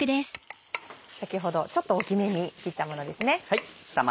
先ほどちょっと大きめに切ったものですね。